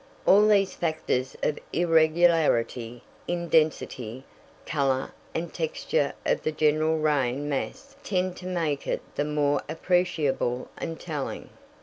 All these factors of irregularity in density, color, and texture of the general rain mass tend to make it the more appreciable and telling.